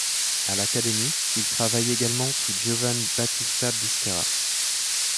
À l'Académie, il travaille également sous Giovan Battista Biscarra.